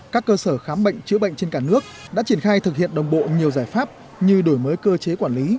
các cơ sở khám bệnh chữa bệnh trên cả nước đã triển khai thực hiện đồng bộ nhiều giải pháp như đổi mới cơ chế quản lý